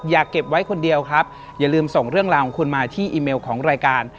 เก็บไว้คนเดียวครับอย่าลืมส่งเรื่องราวของคุณมาที่อีเมลของรายการ